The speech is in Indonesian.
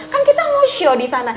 kan kita mau show disana